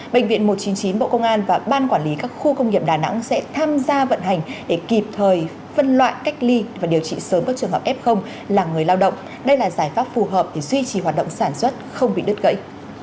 bệnh viện một trăm chín mươi chín bộ công an và ban quản lý các khu công nghiệp đà nẵng sẽ tham gia vận hành để kịp thời phân loại cách ly và điều trị sớm các trường hợp f là người lao động đây là giải pháp phù hợp để duy trì hoạt động sản xuất không bị đứt gãy